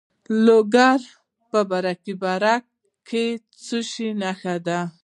د لوګر په برکي برک کې د څه شي نښې دي؟